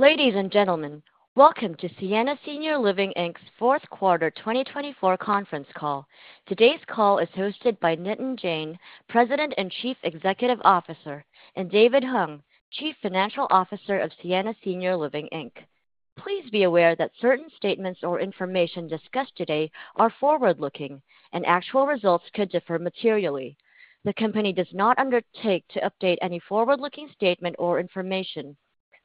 Ladies and gentlemen, welcome to Sienna Senior Living Inc.'s fourth quarter 2024 conference call. Today's call is hosted by Nitin Jain, President and Chief Executive Officer, and David Hung, Chief Financial Officer of Sienna Senior Living Inc. Please be aware that certain statements or information discussed today are forward-looking, and actual results could differ materially. The company does not undertake to update any forward-looking statement or information.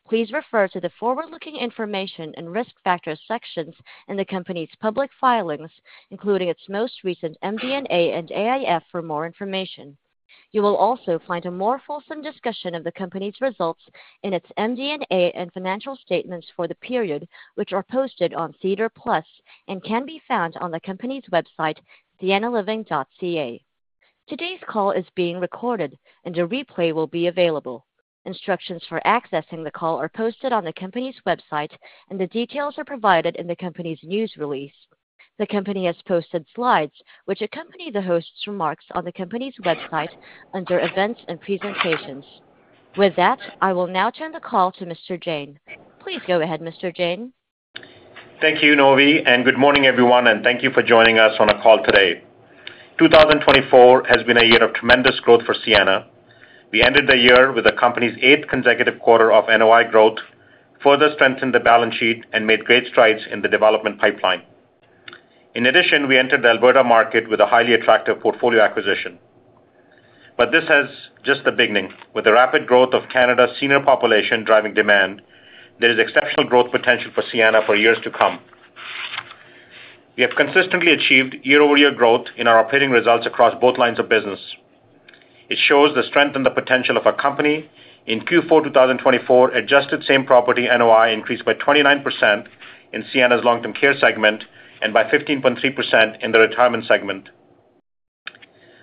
Please refer to the forward-looking information and risk factors sections in the company's public filings, including its most recent MD&A and AIF, for more information. You will also find a more fulsome discussion of the company's results in its MD&A and financial statements for the period, which are posted on SEDAR+ and can be found on the company's website, siennaliving.ca. Today's call is being recorded, and a replay will be available. Instructions for accessing the call are posted on the company's website, and the details are provided in the company's news release. The company has posted slides which accompany the host's remarks on the company's website under Events and Presentations. With that, I will now turn the call to Mr. Jain. Please go ahead, Mr. Jain. Thank you, Novi, and good morning, everyone, and thank you for joining us on a call today. 2024 has been a year of tremendous growth for Sienna. We ended the year with the company's eighth consecutive quarter of NOI growth, further strengthened the balance sheet, and made great strides in the development pipeline. In addition, we entered the Alberta market with a highly attractive portfolio acquisition. But this is just the beginning. With the rapid growth of Canada's senior population driving demand, there is exceptional growth potential for Sienna for years to come. We have consistently achieved year-over-year growth in our operating results across both lines of business. It shows the strength and the potential of our company. In Q4 2024, adjusted same property NOI increased by 29% in Sienna's long-term care segment and by 15.3% in the retirement segment.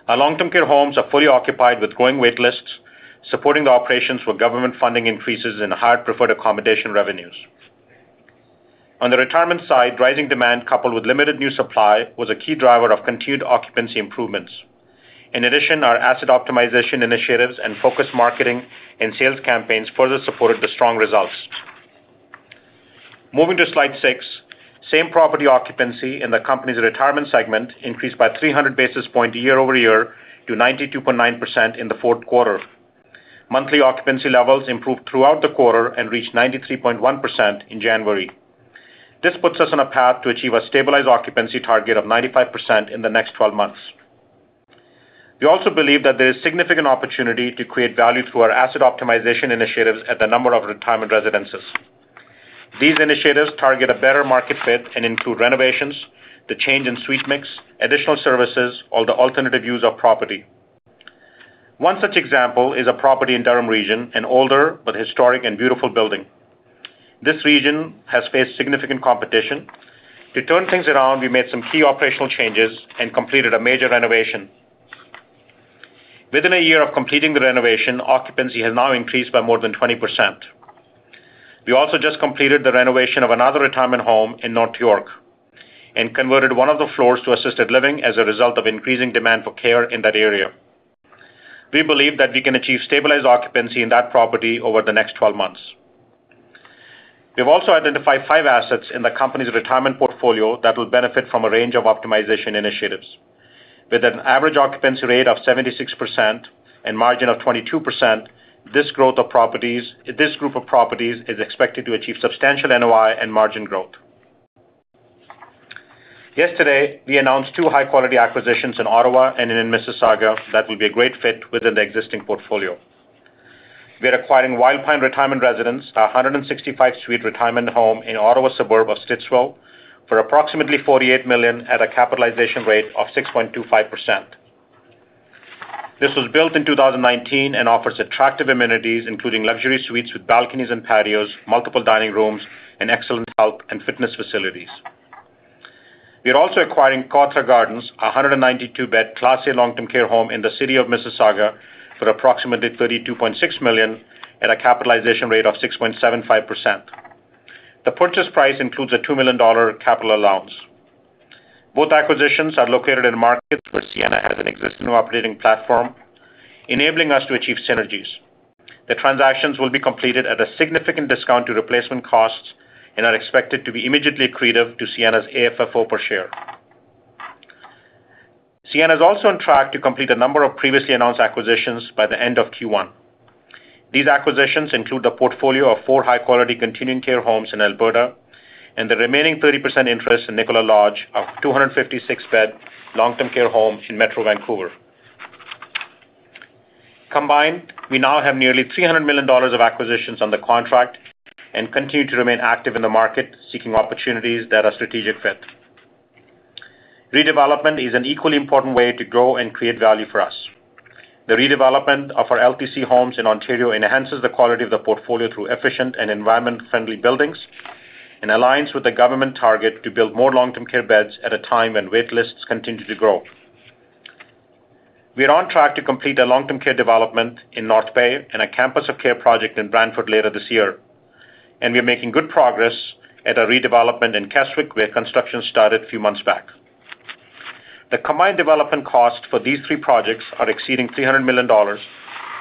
Our long-term care homes are fully occupied with growing waitlists, supporting the operations for government funding increases in higher preferred accommodation revenues. On the retirement side, rising demand coupled with limited new supply was a key driver of continued occupancy improvements. In addition, our asset optimization initiatives and focused marketing and sales campaigns further supported the strong results. Moving to slide six, same property occupancy in the company's retirement segment increased by 300 basis points year-over-year to 92.9% in the fourth quarter. Monthly occupancy levels improved throughout the quarter and reached 93.1% in January. This puts us on a path to achieve a stabilized occupancy target of 95% in the next 12 months. We also believe that there is significant opportunity to create value through our asset optimization initiatives at the number of retirement residences. These initiatives target a better market fit and include renovations, the change in suite mix, additional services, or the alternative use of property. One such example is a property in Durham Region, an older but historic and beautiful building. This region has faced significant competition. To turn things around, we made some key operational changes and completed a major renovation. Within a year of completing the renovation, occupancy has now increased by more than 20%. We also just completed the renovation of another retirement home in North York and converted one of the floors to assisted living as a result of increasing demand for care in that area. We believe that we can achieve stabilized occupancy in that property over the next 12 months. We have also identified five assets in the company's retirement portfolio that will benefit from a range of optimization initiatives. With an average occupancy rate of 76% and margin of 22%, this group of properties is expected to achieve substantial NOI and margin growth. Yesterday, we announced two high-quality acquisitions in Ottawa and in Mississauga that will be a great fit within the existing portfolio. We are acquiring Wildpine Retirement Residence, a 165-suite retirement home in the Ottawa suburb of Stittsville, for approximately 48 million at a capitalization rate of 6.25%. This was built in 2019 and offers attractive amenities, including luxury suites with balconies and patios, multiple dining rooms, and excellent health and fitness facilities. We are also acquiring Cawthra Gardens, a 192-bed Class A long-term care home in the city of Mississauga for approximately 32.6 million at a capitalization rate of 6.75%. The purchase price includes a 2 million dollar capital allowance. Both acquisitions are located in markets where Sienna has an existing operating platform, enabling us to achieve synergies. The transactions will be completed at a significant discount to replacement costs and are expected to be immediately accretive to Sienna's AFFO per share. Sienna is also on track to complete a number of previously announced acquisitions by the end of Q1. These acquisitions include the portfolio of four high-quality continuing care homes in Alberta and the remaining 30% interest in Nicola Lodge of 256-bed long-term care home in Metro Vancouver. Combined, we now have nearly 300 million dollars of acquisitions on the contract and continue to remain active in the market, seeking opportunities that are strategic fit. Redevelopment is an equally important way to grow and create value for us. The redevelopment of our LTC homes in Ontario enhances the quality of the portfolio through efficient and environment-friendly buildings in alliance with the government target to build more long-term care beds at a time when waitlists continue to grow. We are on track to complete a long-term care development in North Bay and a campus of care project in Brantford later this year, and we are making good progress at a redevelopment in Keswick where construction started a few months back. The combined development costs for these three projects are exceeding 300 million dollars.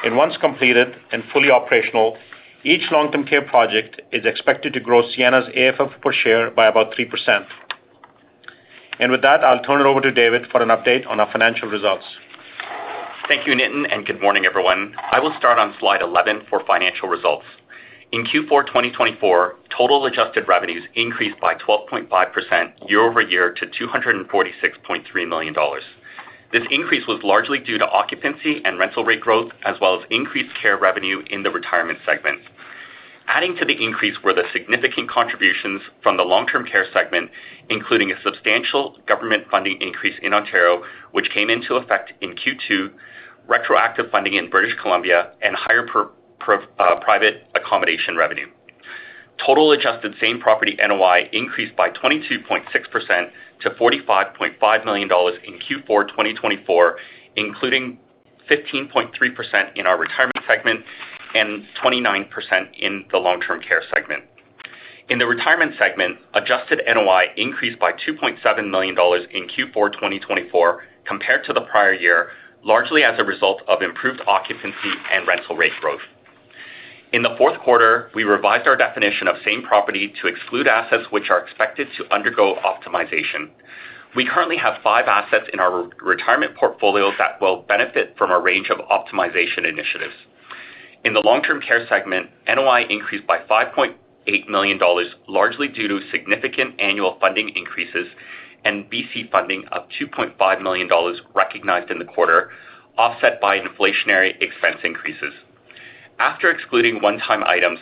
And once completed and fully operational, each long-term care project is expected to grow Sienna's AFFO per share by about 3%. And with that, I'll turn it over to David for an update on our financial results. Thank you, Nitin, and good morning, everyone. I will start on slide 11 for financial results. In Q4 2024, total adjusted revenues increased by 12.5% year-over-year to 246.3 million dollars. This increase was largely due to occupancy and rental rate growth, as well as increased care revenue in the retirement segment. Adding to the increase were the significant contributions from the long-term care segment, including a substantial government funding increase in Ontario, which came into effect in Q2, retroactive funding in British Columbia, and higher private accommodation revenue. Total adjusted same property NOI increased by 22.6% to 45.5 million dollars in Q4 2024, including 15.3% in our retirement segment and 29% in the long-term care segment. In the retirement segment, adjusted NOI increased by 2.7 million dollars in Q4 2024 compared to the prior year, largely as a result of improved occupancy and rental rate growth. In the fourth quarter, we revised our definition of same property to exclude assets which are expected to undergo optimization. We currently have five assets in our retirement portfolio that will benefit from a range of optimization initiatives. In the long-term care segment, NOI increased by 5.8 million dollars, largely due to significant annual funding increases and BC funding of 2.5 million dollars recognized in the quarter, offset by inflationary expense increases. After excluding one-time items,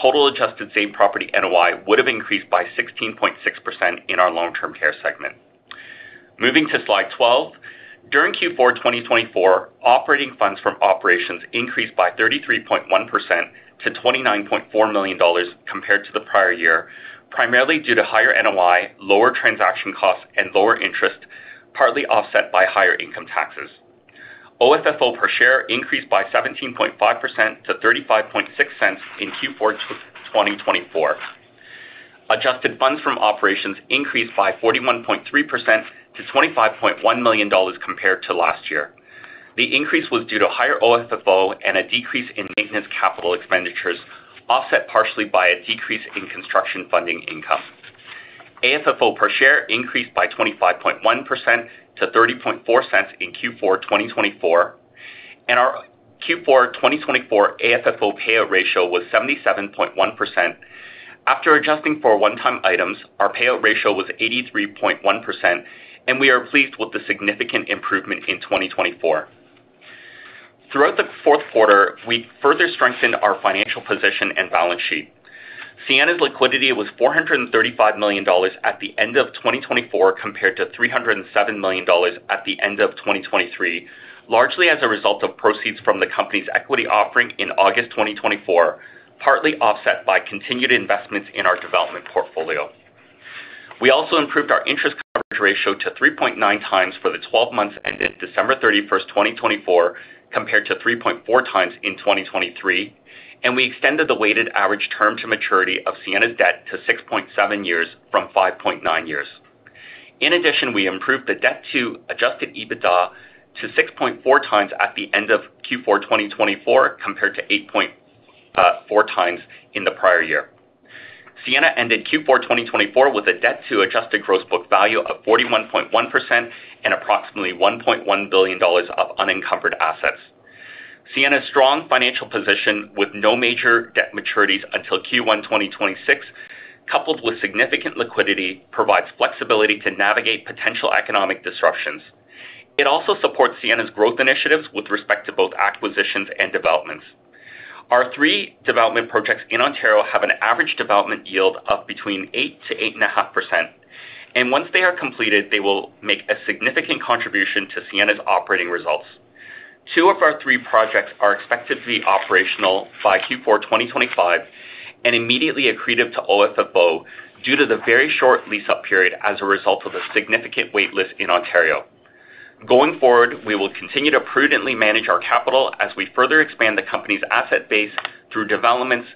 total adjusted same property NOI would have increased by 16.6% in our long-term care segment. Moving to slide 12, during Q4 2024, operating funds from operations increased by 33.1% to 29.4 million dollars compared to the prior year, primarily due to higher NOI, lower transaction costs, and lower interest, partly offset by higher income taxes. OFFO per share increased by 17.5% to 0.356 in Q4 2024. Adjusted funds from operations increased by 41.3% to 25.1 million dollars compared to last year. The increase was due to higher OFFO and a decrease in maintenance capital expenditures, offset partially by a decrease in construction funding income. AFFO per share increased by 25.1% to 0.304 in Q4 2024, and our Q4 2024 AFFO payout ratio was 77.1%. After adjusting for one-time items, our payout ratio was 83.1%, and we are pleased with the significant improvement in 2024. Throughout the fourth quarter, we further strengthened our financial position and balance sheet. Sienna's liquidity was 435 million dollars at the end of 2024 compared to 307 million dollars at the end of 2023, largely as a result of proceeds from the company's equity offering in August 2024, partly offset by continued investments in our development portfolio. We also improved our interest coverage ratio to 3.9x for the 12 months ended December 31st, 2024, compared to 3.4x in 2023, and we extended the weighted average term to maturity of Sienna's debt to 6.7 years from 5.9 years. In addition, we improved the debt-to-adjusted EBITDA to 6.4x at the end of Q4 2024 compared to 8.4x in the prior year. Sienna ended Q4 2024 with a debt-to-adjusted gross book value of 41.1% and approximately 1.1 billion dollars of unencumbered assets. Sienna's strong financial position, with no major debt maturities until Q1 2026, coupled with significant liquidity, provides flexibility to navigate potential economic disruptions. It also supports Sienna's growth initiatives with respect to both acquisitions and developments. Our three development projects in Ontario have an average development yield of between 8%-8.5%, and once they are completed, they will make a significant contribution to Sienna's operating results. Two of our three projects are expected to be operational by Q4 2025 and immediately accretive to OFFO due to the very short lease-up period as a result of the significant waitlist in Ontario. Going forward, we will continue to prudently manage our capital as we further expand the company's asset base through developments,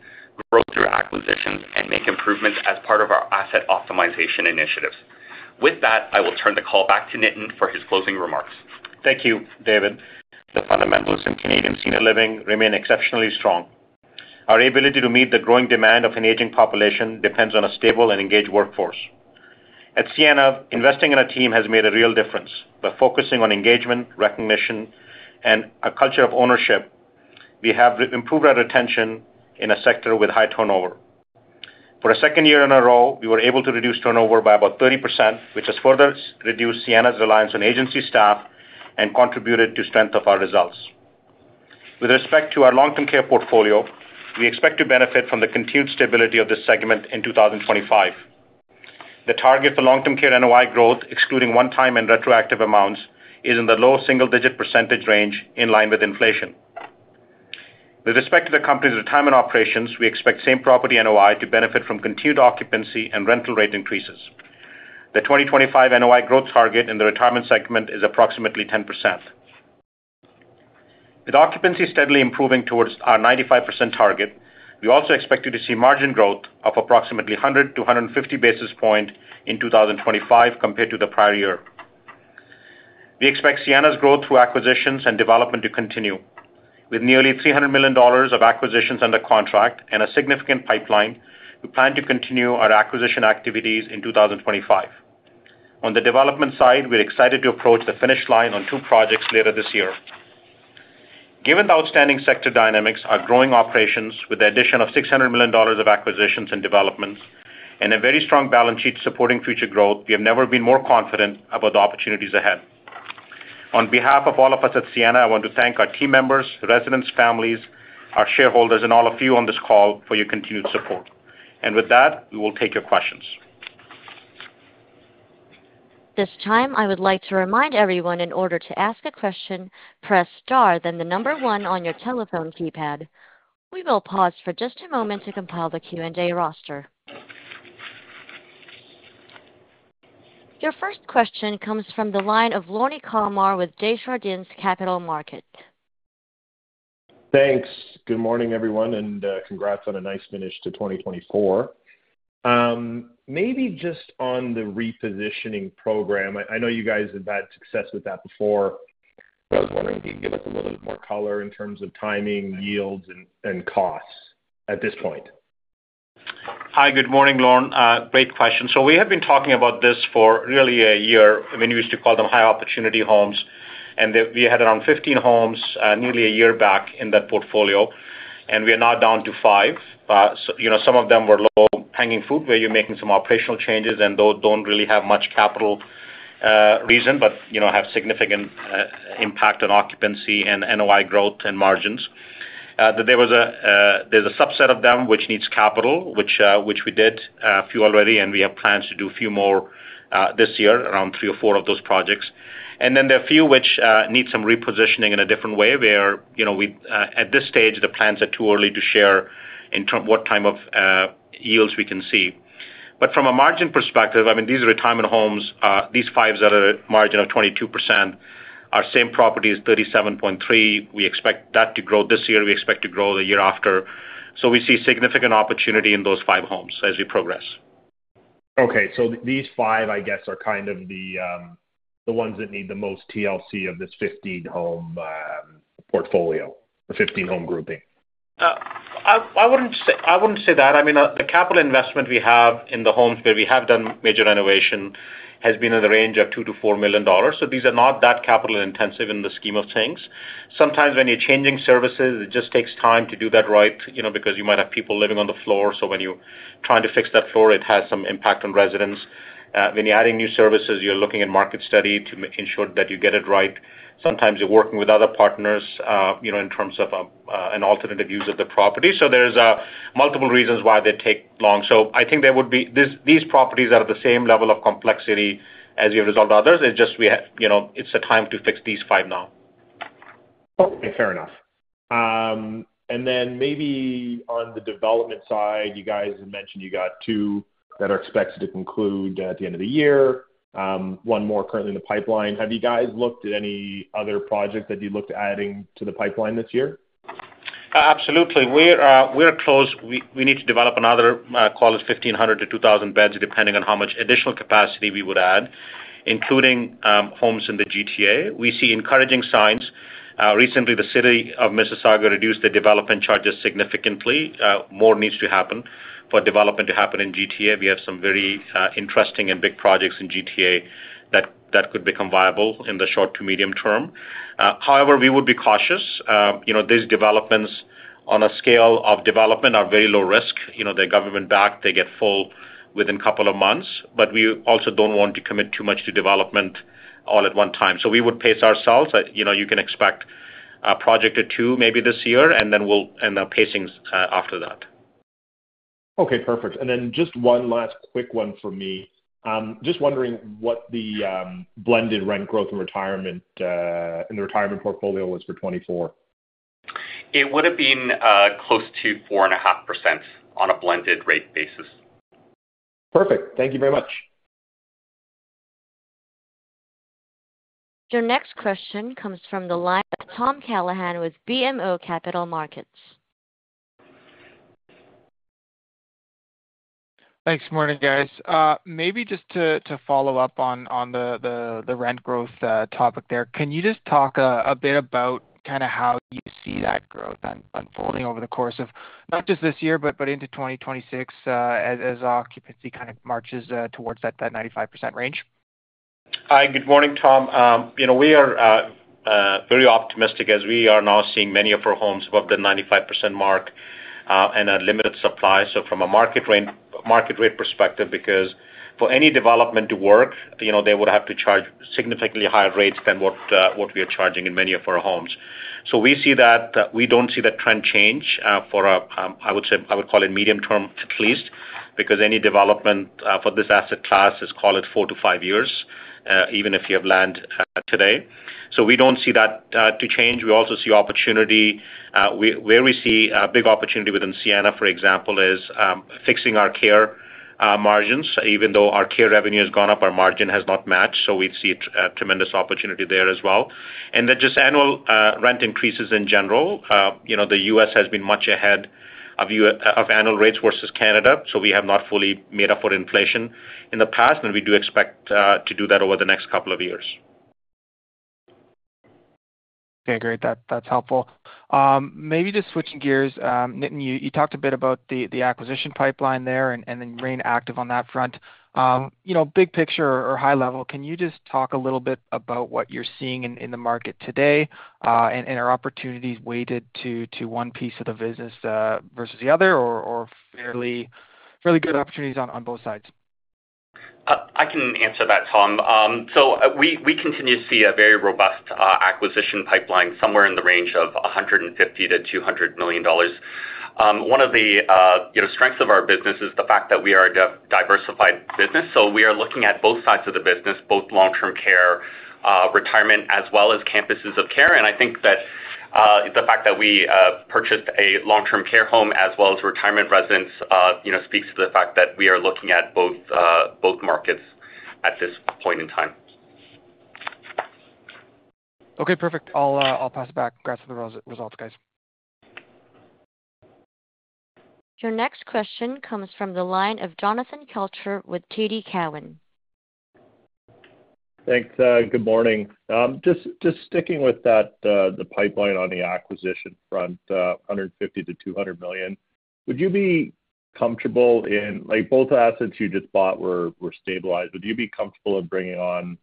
growth through acquisitions, and make improvements as part of our asset optimization initiatives. With that, I will turn the call back to Nitin for his closing remarks. Thank you, David. The fundamentals in Canadian senior living remain exceptionally strong. Our ability to meet the growing demand of an aging population depends on a stable and engaged workforce. At Sienna, investing in a team has made a real difference. By focusing on engagement, recognition, and a culture of ownership, we have improved our retention in a sector with high turnover. For a second year in a row, we were able to reduce turnover by about 30%, which has further reduced Sienna's reliance on agency staff and contributed to the strength of our results. With respect to our long-term care portfolio, we expect to benefit from the continued stability of this segment in 2025. The target for long-term care NOI growth, excluding one-time and retroactive amounts, is in the low single-digit % range in line with inflation. With respect to the company's retirement operations, we expect same property NOI to benefit from continued occupancy and rental rate increases. The 2025 NOI growth target in the retirement segment is approximately 10%. With occupancy steadily improving towards our 95% target, we also expect to see margin growth of approximately 100 to 150 basis points in 2025 compared to the prior year. We expect Sienna's growth through acquisitions and development to continue. With nearly 300 million dollars of acquisitions under contract and a significant pipeline, we plan to continue our acquisition activities in 2025. On the development side, we're excited to approach the finish line on two projects later this year. Given the outstanding sector dynamics, our growing operations, with the addition of 600 million dollars of acquisitions and developments, and a very strong balance sheet supporting future growth, we have never been more confident about the opportunities ahead. On behalf of all of us at Sienna, I want to thank our team members, residents, families, our shareholders, and all of you on this call for your continued support. And with that, we will take your questions. This time, I would like to remind everyone in order to ask a question, press star, then the number one on your telephone keypad. We will pause for just a moment to compile the Q&A roster. Your first question comes from the line of Lorne Kalmar with Desjardins Capital Markets. Thanks. Good morning, everyone, and congrats on a nice finish to 2024. Maybe just on the repositioning program, I know you guys have had success with that before. I was wondering if you could give us a little bit more color in terms of timing, yields, and costs at this point. Hi, good morning, Lorne. Great question. So we have been talking about this for really a year. We used to call them high-opportunity homes, and we had around 15 homes nearly a year back in that portfolio, and we are now down to five. Some of them were low-hanging fruit where you're making some operational changes and don't really have much capital reason, but have significant impact on occupancy and NOI growth and margins. There's a subset of them which needs capital, which we did a few already, and we have plans to do a few more this year, around three or four of those projects. And then there are a few which need some repositioning in a different way where at this stage, the plans are too early to share in terms of what type of yields we can see. But from a margin perspective, I mean, these retirement homes, these five that are at a margin of 22% are same properties, 37.3. We expect that to grow this year. We expect to grow the year after, so we see significant opportunity in those five homes as we progress. Okay, so these five, I guess, are kind of the ones that need the most TLC of this 15-home portfolio or 15-home grouping. I wouldn't say that. I mean, the capital investment we have in the homes where we have done major renovation has been in the range of 2 million-4 million dollars. So these are not that capital-intensive in the scheme of things. Sometimes when you're changing services, it just takes time to do that right because you might have people living on the floor. So when you're trying to fix that floor, it has some impact on residents. When you're adding new services, you're looking at market study to ensure that you get it right. Sometimes you're working with other partners in terms of an alternative use of the property. So there's multiple reasons why they take long. So I think there would be these properties that are at the same level of complexity as you've resolved others. It's just it's the time to fix these five now. Fair enough. And then maybe on the development side, you guys mentioned you got two that are expected to conclude at the end of the year, one more currently in the pipeline. Have you guys looked at any other projects that you looked at adding to the pipeline this year? Absolutely. We're close. We need to develop another call of 1,500-2,000 beds depending on how much additional capacity we would add, including homes in the GTA. We see encouraging signs. Recently, the City of Mississauga reduced the development charges significantly. More needs to happen for development to happen in GTA. We have some very interesting and big projects in GTA that could become viable in the short to medium term. However, we would be cautious. These developments, on a scale of development, are very low risk. They're government-backed. They get full within a couple of months. But we also don't want to commit too much to development all at one time. So we would pace ourselves. You can expect a project or two, maybe this year, and then we'll end up pacing after that. Okay. Perfect. And then just one last quick one for me. Just wondering what the blended rent growth in the retirement portfolio was for 2024? It would have been close to 4.5% on a blended rate basis. Perfect. Thank you very much. Your next question comes from the line of Tom Callaghan with BMO Capital Markets. Thanks. Good morning, guys. Maybe just to follow up on the rent growth topic there, can you just talk a bit about kind of how you see that growth unfolding over the course of not just this year, but into 2026 as occupancy kind of marches towards that 95% range? Hi. Good morning, Tom. We are very optimistic as we are now seeing many of our homes above the 95% mark and a limited supply. So from a market rate perspective, because for any development to work, they would have to charge significantly higher rates than what we are charging in many of our homes. So we see that we don't see that trend change for, I would say, I would call it medium term at least, because any development for this asset class is, call it, four to five years, even if you have land today. So we don't see that to change. We also see opportunity. Where we see a big opportunity within Sienna, for example, is fixing our care margins. Even though our care revenue has gone up, our margin has not matched. So we see tremendous opportunity there as well. Then just annual rent increases in general. The U.S. has been much ahead of annual rates versus Canada, so we have not fully made up for inflation in the past, and we do expect to do that over the next couple of years. Okay. Great. That's helpful. Maybe just switching gears, Nitin, you talked a bit about the acquisition pipeline there and then remain active on that front. Big picture or high level, can you just talk a little bit about what you're seeing in the market today and are opportunities weighted to one piece of the business versus the other or fairly good opportunities on both sides? I can answer that, Tom. We continue to see a very robust acquisition pipeline somewhere in the range of 150 million-200 million dollars. One of the strengths of our business is the fact that we are a diversified business. We are looking at both sides of the business, both long-term care, retirement, as well as campuses of care. I think that the fact that we purchased a long-term care home as well as retirement residences speaks to the fact that we are looking at both markets at this point in time. Okay. Perfect. I'll pass it back. Congrats on the results, guys. Your next question comes from the line of Jonathan Kelcher with TD Cowen. Thanks. Good morning. Just sticking with the pipeline on the acquisition front, 150 million-200 million, would you be comfortable in both assets you just bought were stabilized? Would you be comfortable with bringing on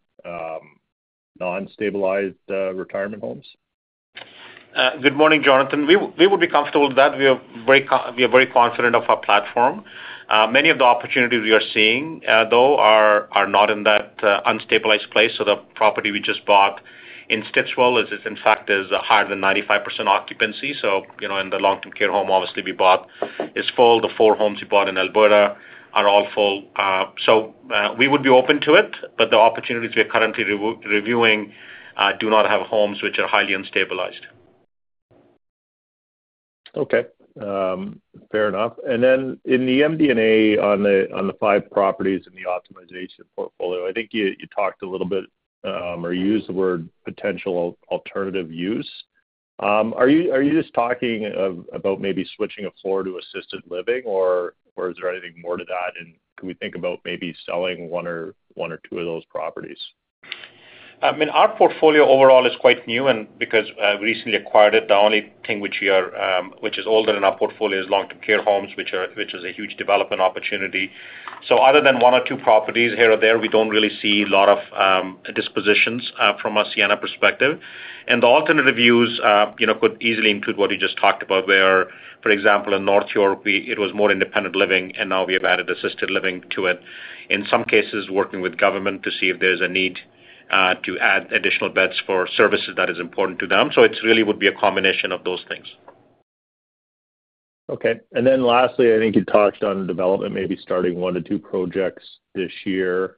non-stabilized retirement homes? Good morning, Jonathan. We would be comfortable with that. We are very confident of our platform. Many of the opportunities we are seeing, though, are not in that unstabilized place. So the property we just bought in Stittsville is, in fact, higher than 95% occupancy. So in the long-term care home, obviously, we bought is full. The four homes we bought in Alberta are all full. So we would be open to it, but the opportunities we are currently reviewing do not have homes which are highly unstabilized. Okay. Fair enough. And then in the MD&A on the five properties in the optimization portfolio, I think you talked a little bit or used the word potential alternative use. Are you just talking about maybe switching a floor to assisted living, or is there anything more to that? And can we think about maybe selling one or two of those properties? I mean, our portfolio overall is quite new, and because we recently acquired it, the only thing which is older in our portfolio is long-term care homes, which is a huge development opportunity, so other than one or two properties here or there, we don't really see a lot of dispositions from a Sienna perspective, and the alternative use could easily include what you just talked about where, for example, in North York, it was more independent living, and now we have added assisted living to it. In some cases, working with government to see if there's a need to add additional beds for services that are important to them, so it really would be a combination of those things. Okay. And then lastly, I think you talked on development, maybe starting one or two projects this year.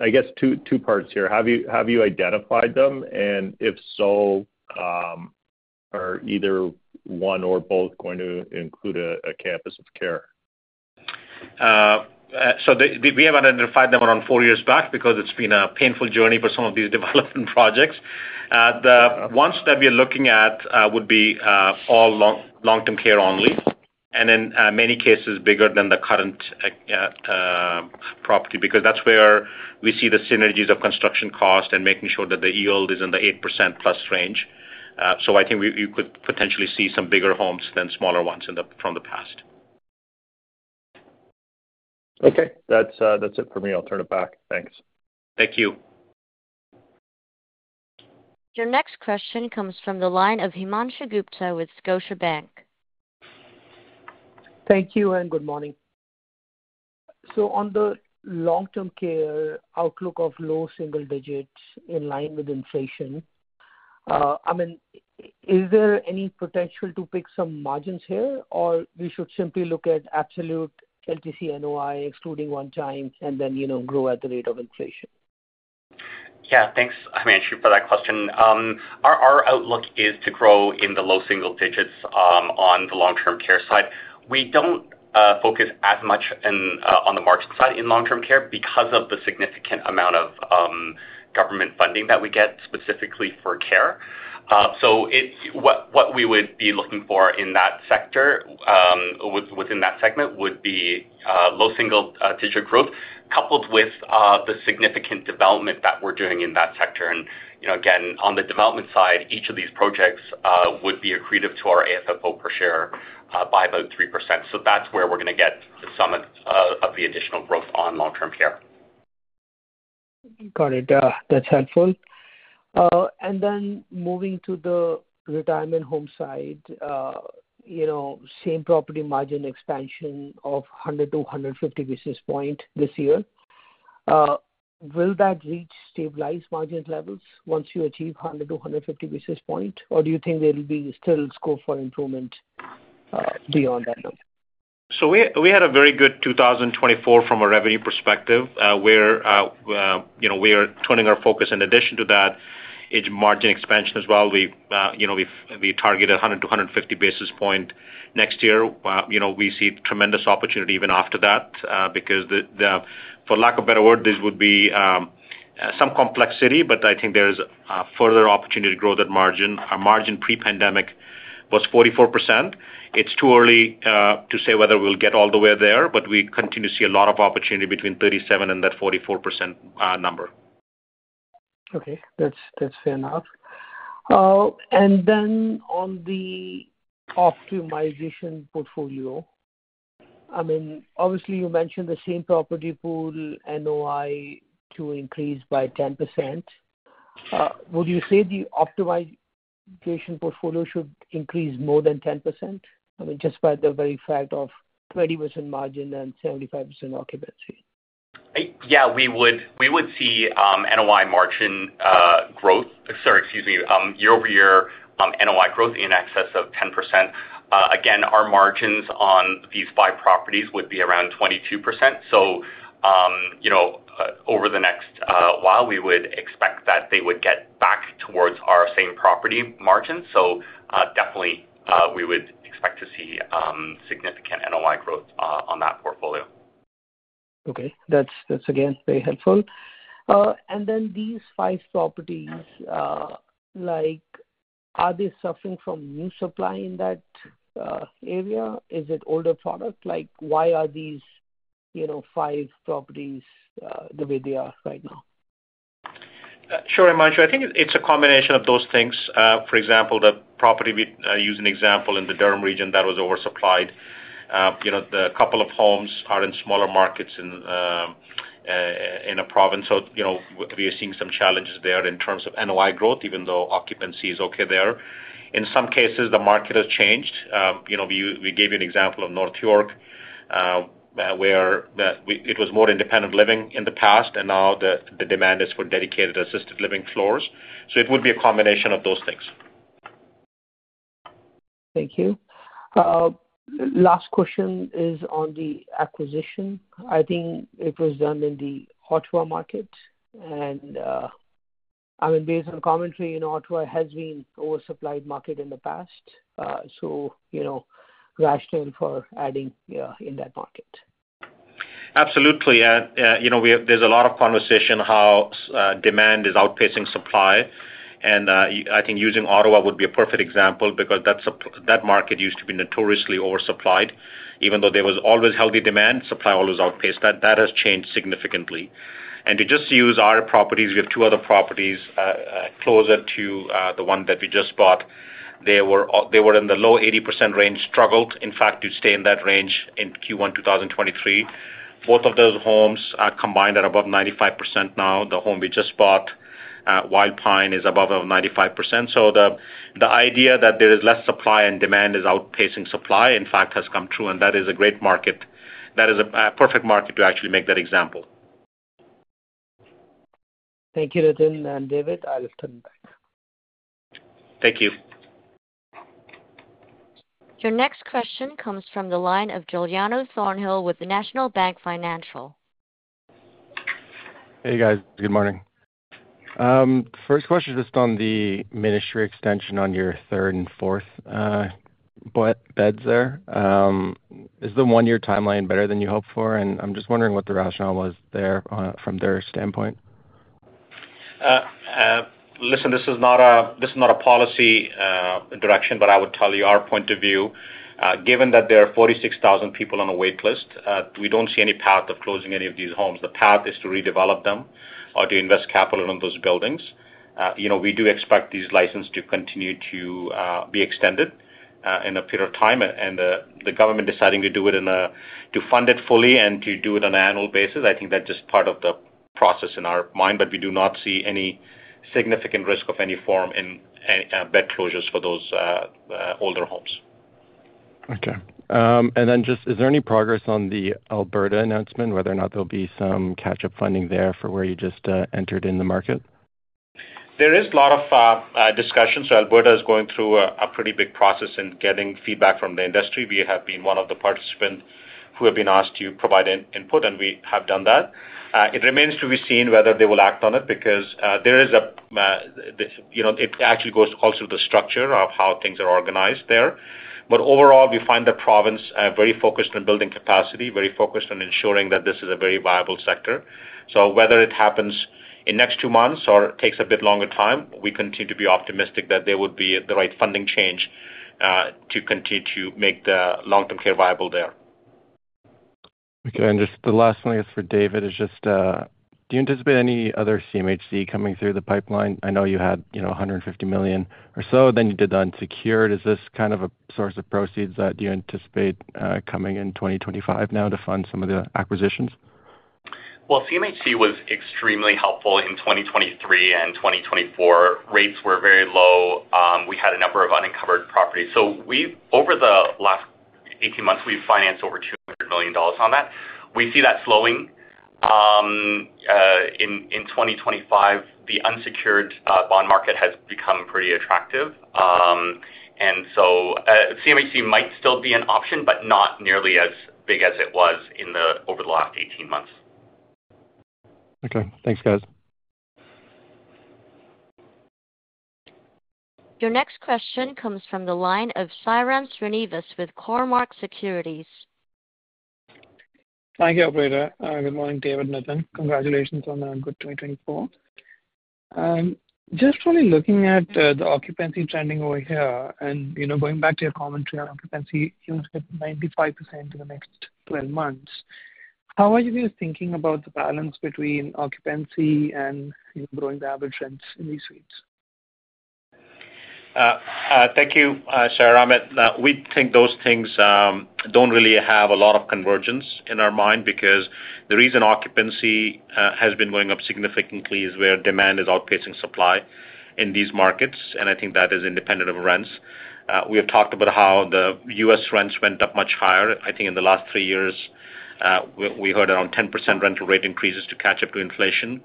I guess two parts here. Have you identified them? And if so, are either one or both going to include a campus of care? We have identified them around four years back because it's been a painful journey for some of these development projects. The ones that we are looking at would be all long-term care only and in many cases bigger than the current property because that's where we see the synergies of construction cost and making sure that the yield is in the 8%+ range. I think you could potentially see some bigger homes than smaller ones from the past. Okay. That's it for me. I'll turn it back. Thanks. Thank you. Your next question comes from the line of Himanshu Gupta with Scotiabank. Thank you and good morning. So on the long-term care outlook of low single digits in line with inflation, I mean, is there any potential to pick some margins here, or we should simply look at absolute LTC NOI excluding one-time and then grow at the rate of inflation? Yeah. Thanks, Himanshu, for that question. Our outlook is to grow in the low single digits on the long-term care side. We don't focus as much on the margin side in long-term care because of the significant amount of government funding that we get specifically for care. So what we would be looking for in that sector within that segment would be low single digit growth coupled with the significant development that we're doing in that sector. And again, on the development side, each of these projects would be accretive to our AFFO per share by about 3%. So that's where we're going to get some of the additional growth on long-term care. Got it. That's helpful. And then moving to the retirement home side, Same Property margin expansion of 100-150 basis points this year. Will that reach stabilized margin levels once you achieve 100-150 basis points, or do you think there will be still scope for improvement beyond that number? So we had a very good 2024 from a revenue perspective where we are turning our focus in addition to that margin expansion as well. We targeted 100-150 basis points next year. We see tremendous opportunity even after that because, for lack of a better word, this would be some complexity, but I think there is further opportunity to grow that margin. Our margin pre-pandemic was 44%. It's too early to say whether we'll get all the way there, but we continue to see a lot of opportunity between 37% and that 44% number. Okay. That's fair enough. And then on the optimization portfolio, I mean, obviously, you mentioned the same property pool NOI to increase by 10%. Would you say the optimization portfolio should increase more than 10%? I mean, just by the very fact of 20% margin and 75% occupancy? Yeah. We would see NOI margin growth, sorry, excuse me, year-over-year NOI growth in excess of 10%. Again, our margins on these five properties would be around 22%. So over the next while, we would expect that they would get back towards our same property margins. So definitely, we would expect to see significant NOI growth on that portfolio. Okay. That's, again, very helpful. And then these five properties, are they suffering from new supply in that area? Is it older product? Why are these five properties the way they are right now? Sure, Himanshu. I think it's a combination of those things. For example, the property we use an example in the Durham Region that was oversupplied. A couple of homes are in smaller markets in a province. So we are seeing some challenges there in terms of NOI growth, even though occupancy is okay there. In some cases, the market has changed. We gave you an example of North York, where it was more independent living in the past, and now the demand is for dedicated assisted living floors. So it would be a combination of those things. Thank you. Last question is on the acquisition. I think it was done in the Ottawa market, and I mean, based on commentary, Ottawa has been an oversupplied market in the past, so rationale for adding in that market? Absolutely. There's a lot of conversation how demand is outpacing supply. And I think using Ottawa would be a perfect example because that market used to be notoriously oversupplied. Even though there was always healthy demand, supply always outpaced. That has changed significantly. And to just use our properties, we have two other properties closer to the one that we just bought. They were in the low 80% range, struggled, in fact, to stay in that range in Q1 2023. Both of those homes combined are above 95% now. The home we just bought, Wildpine, is above 95%. So the idea that there is less supply and demand is outpacing supply, in fact, has come true. And that is a great market. That is a perfect market to actually make that example. Thank you, Nitin and David. I'll turn it back. Thank you. Your next question comes from the line of Giuliano Thornhill with National Bank Financial. Hey, guys. Good morning. First question is just on the ministry extension on your third and fourth beds there. Is the one-year timeline better than you hoped for, and I'm just wondering what the rationale was there from their standpoint. Listen, this is not a policy direction, but I would tell you our point of view. Given that there are 46,000 people on a waitlist, we don't see any path of closing any of these homes. The path is to redevelop them or to invest capital in those buildings. We do expect these licenses to continue to be extended in a period of time. And the government deciding to do it to fund it fully and to do it on an annual basis, I think that's just part of the process in our mind. But we do not see any significant risk of any form in bed closures for those older homes. Okay. And then just, is there any progress on the Alberta announcement, whether or not there'll be some catch-up funding there for where you just entered in the market? There is a lot of discussion, so Alberta is going through a pretty big process in getting feedback from the industry. We have been one of the participants who have been asked to provide input, and we have done that. It remains to be seen whether they will act on it because, it actually goes also to the structure of how things are organized there, but overall, we find the province very focused on building capacity, very focused on ensuring that this is a very viable sector, so whether it happens in the next two months or takes a bit longer time, we continue to be optimistic that there would be the right funding change to continue to make the long-term care viable there. Okay. And just the last one, I guess, for David is just, do you anticipate any other CMHC coming through the pipeline? I know you had 150 million or so, then you did the unsecured. Is this kind of a source of proceeds that you anticipate coming in 2025 now to fund some of the acquisitions? CMHC was extremely helpful in 2023 and 2024. Rates were very low. We had a number of unencumbered properties. So over the last 18 months, we financed over 200 million dollars on that. We see that slowing. In 2025, the unsecured bond market has become pretty attractive. So CMHC might still be an option, but not nearly as big as it was over the last 18 months. Okay. Thanks, guys. Your next question comes from the line of Sairam Srinivas with Cormark Securities. Thank you, Alberta. Good morning, David and Nitin. Congratulations on a good 2024. Just really looking at the occupancy trending over here and going back to your commentary on occupancy, you said 95% in the next 12 months. How are you guys thinking about the balance between occupancy and growing the average rents in these suites? Thank you, Sir. We think those things don't really have a lot of convergence in our mind because the reason occupancy has been going up significantly is where demand is outpacing supply in these markets. And I think that is independent of rents. We have talked about how the U.S. rents went up much higher. I think in the last three years, we heard around 10% rental rate increases to catch up to inflation.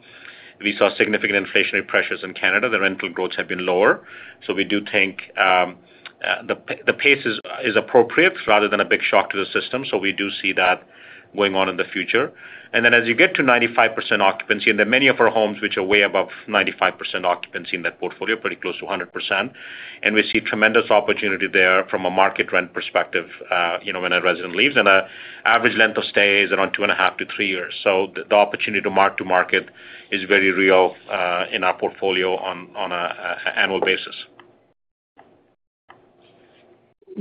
We saw significant inflationary pressures in Canada. The rental growth had been lower. So we do think the pace is appropriate rather than a big shock to the system. So we do see that going on in the future. And then as you get to 95% occupancy, and there are many of our homes which are way above 95% occupancy in that portfolio, pretty close to 100%. We see tremendous opportunity there from a market rent perspective when a resident leaves. The average length of stay is around two and a half to three years. The opportunity to mark-to-market is very real in our portfolio on an annual basis.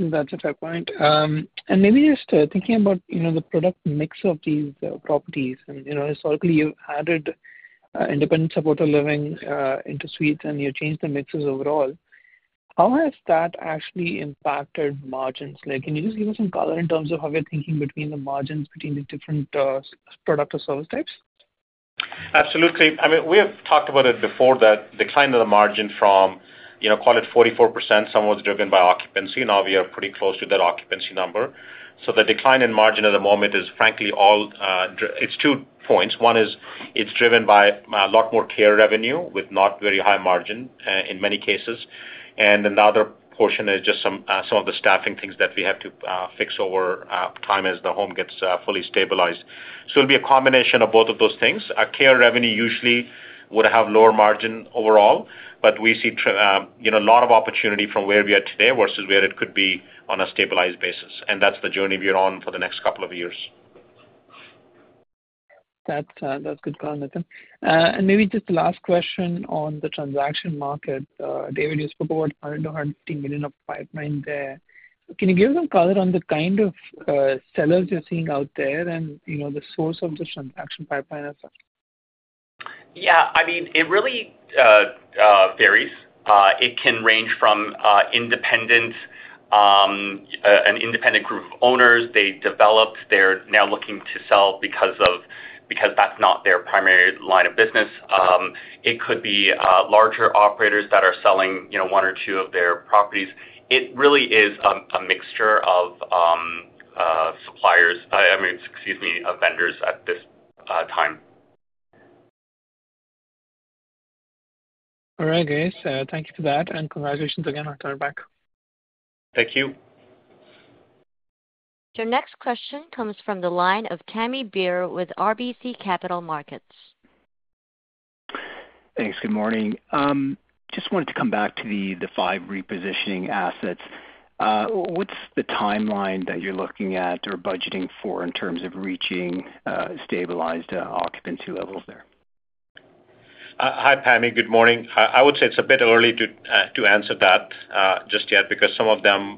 That's a fair point, and maybe just thinking about the product mix of these properties, and historically, you've added independent supportive living into suites, and you've changed the mixes overall. How has that actually impacted margins? Can you just give us some color in terms of how you're thinking between the margins between the different product or service types? Absolutely. I mean, we have talked about it before, that decline of the margin from, call it 44%, some was driven by occupancy. Now we are pretty close to that occupancy number, so the decline in margin at the moment is, frankly, all it's two points. One is it's driven by a lot more care revenue with not very high margin in many cases, and then the other portion is just some of the staffing things that we have to fix over time as the home gets fully stabilized, so it'll be a combination of both of those things. Care revenue usually would have lower margin overall, but we see a lot of opportunity from where we are today versus where it could be on a stabilized basis, and that's the journey we're on for the next couple of years. That's good, Nitin. And maybe just the last question on the transaction market. David, you spoke about 100 million-150 million of pipeline there. Can you give some color on the kind of sellers you're seeing out there and the source of the transaction pipeline as well? Yeah. I mean, it really varies. It can range from an independent group of owners. They developed. They're now looking to sell because that's not their primary line of business. It could be larger operators that are selling one or two of their properties. It really is a mixture of suppliers, I mean, excuse me, of vendors at this time. All right, guys. Thank you for that. And congratulations again on coming back. Thank you. Your next question comes from the line of Pammi Bir with RBC Capital Markets. Thanks. Good morning. Just wanted to come back to the five repositioning assets. What's the timeline that you're looking at or budgeting for in terms of reaching stabilized occupancy levels there? Hi, Pammi. Good morning. I would say it's a bit early to answer that just yet because some of them,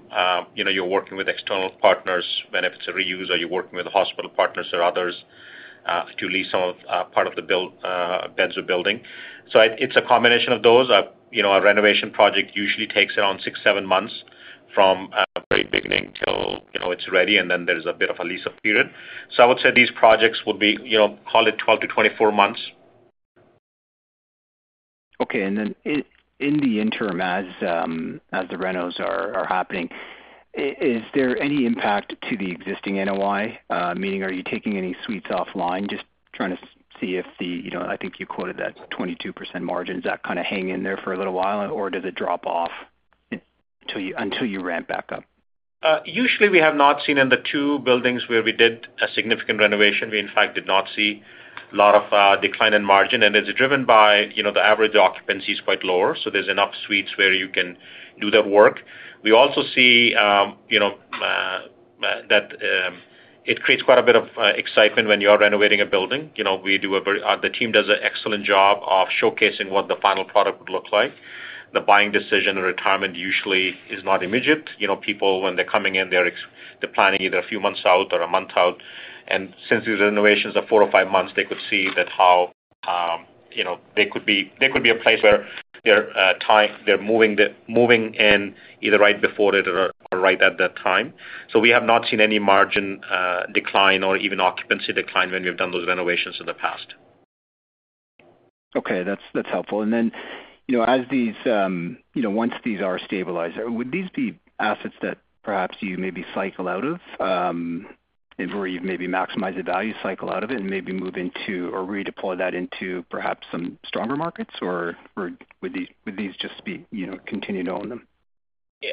you're working with external partners when it's a reuse, or you're working with hospital partners or others to lease some part of the beds of building. So it's a combination of those. A renovation project usually takes around six, seven months from very beginning till it's ready, and then there's a bit of a lease-up period. So I would say these projects would be, call it 12 to 24 months. Okay, and then in the interim, as the renos are happening, is there any impact to the existing NOI? Meaning, are you taking any suites offline? Just trying to see if the, I think you quoted that 22% margins, that kind of hang in there for a little while, or does it drop off until you ramp back up? Usually, we have not seen in the two buildings where we did a significant renovation. We, in fact, did not see a lot of decline in margin. And it's driven by the average occupancy is quite lower. So there's enough suites where you can do that work. We also see that it creates quite a bit of excitement when you are renovating a building. The team does an excellent job of showcasing what the final product would look like. The buying decision and retirement usually is not immediate. People, when they're coming in, they're planning either a few months out or a month out. And since these renovations are four or five months, they could see that how they could be a place where they're moving in either right before it or right at that time. So we have not seen any margin decline or even occupancy decline when we've done those renovations in the past. Okay. That's helpful. And then as these, once these are stabilized, would these be assets that perhaps you maybe cycle out of or even maybe maximize the value, cycle out of it, and maybe move into or redeploy that into perhaps some stronger markets, or would these just be continue to own them?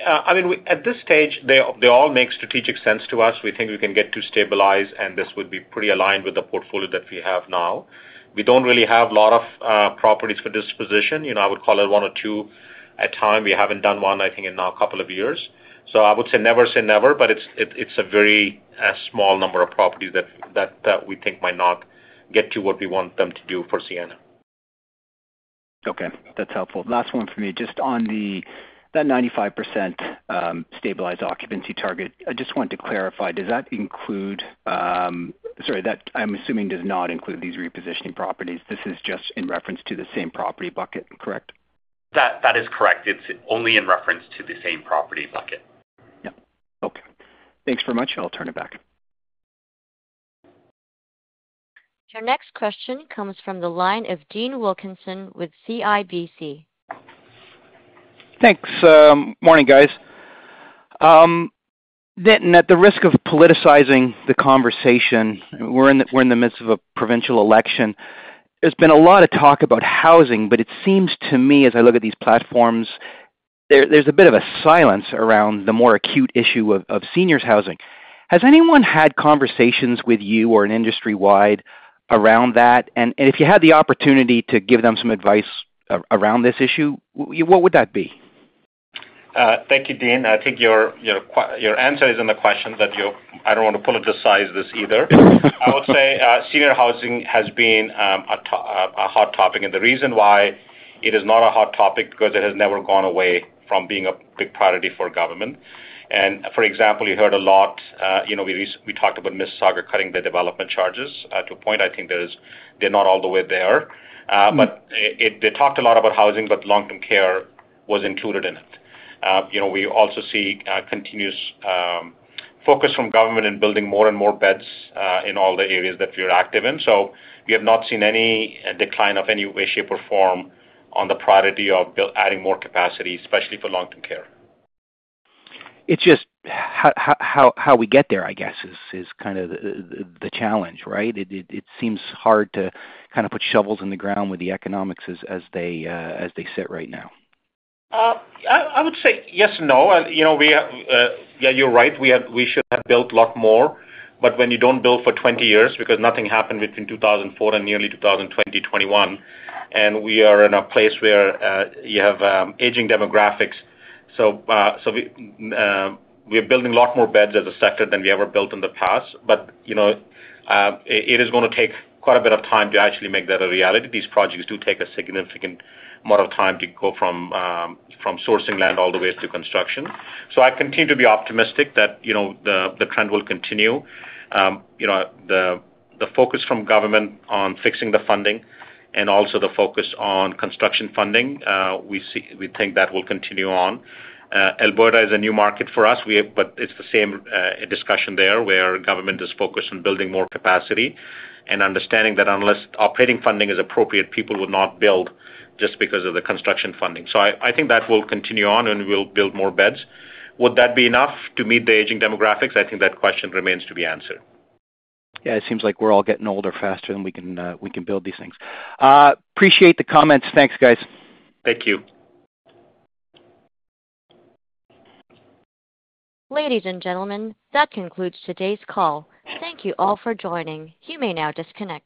I mean, at this stage, they all make strategic sense to us. We think we can get to stabilize, and this would be pretty aligned with the portfolio that we have now. We don't really have a lot of properties for disposition. I would call it one or two at a time. We haven't done one, I think, in now a couple of years. So I would say never say never, but it's a very small number of properties that we think might not get to what we want them to do for Sienna. Okay. That's helpful. Last one for me. Just on that 95% stabilized occupancy target, I just want to clarify. Does that include, sorry, I'm assuming does not include these repositioning properties. This is just in reference to the same property bucket, correct? That is correct. It's only in reference to the same property bucket. Yeah. Okay. Thanks very much. I'll turn it back. Your next question comes from the line of Dean Wilkinson with CIBC. Thanks. Morning, guys. Nitin, at the risk of politicizing the conversation, we're in the midst of a provincial election. There's been a lot of talk about housing, but it seems to me, as I look at these platforms, there's a bit of a silence around the more acute issue of seniors' housing. Has anyone had conversations with you or an industry-wide around that? And if you had the opportunity to give them some advice around this issue, what would that be? Thank you, Dean. I think your answer is in the questions that you—I don't want to politicize this either. I would say senior housing has been a hot topic. And the reason why it is not a hot topic is because it has never gone away from being a big priority for government. And for example, you heard a lot, we talked about Mississauga cutting the development charges to a point. I think they're not all the way there. But they talked a lot about housing, but long-term care was included in it. We also see continuous focus from government in building more and more beds in all the areas that we are active in. So we have not seen any decline of any way, shape, or form on the priority of adding more capacity, especially for long-term care. It's just how we get there, I guess, is kind of the challenge, right? It seems hard to kind of put shovels in the ground with the economics as they sit right now. I would say yes and no. Yeah, you're right. We should have built a lot more. But when you don't build for 20 years because nothing happened between 2004 and nearly 2020, 2021, and we are in a place where you have aging demographics. So we are building a lot more beds as a sector than we ever built in the past. But it is going to take quite a bit of time to actually make that a reality. These projects do take a significant amount of time to go from sourcing land all the way to construction. So I continue to be optimistic that the trend will continue. The focus from government on fixing the funding and also the focus on construction funding, we think that will continue on. Alberta is a new market for us, but it's the same discussion there where government is focused on building more capacity and understanding that unless operating funding is appropriate, people will not build just because of the construction funding. So I think that will continue on, and we'll build more beds. Would that be enough to meet the aging demographics? I think that question remains to be answered. Yeah. It seems like we're all getting older faster than we can build these things. Appreciate the comments. Thanks, guys. Thank you. Ladies and gentlemen, that concludes today's call. Thank you all for joining. You may now disconnect.